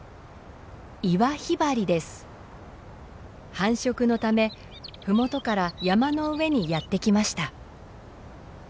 繁殖のため麓から山の上にやって来ました。